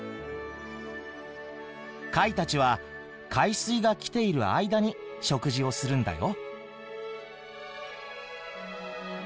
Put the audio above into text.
貝たちは海水が来ている間に食事をするんだよ。